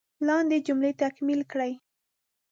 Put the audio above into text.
لاندې جملې تکمیل کړئ.